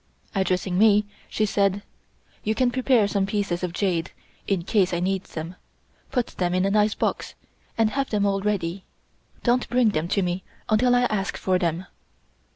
Addressing me, she said: "You can prepare some pieces of jade, in case I need them. Put them in a nice box and have them all ready. Don't bring them to me until I ask for them."